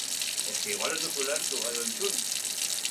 Etorri bizikletaz eta ekipamendu osoarekin.